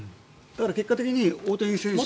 結果的に大谷選手。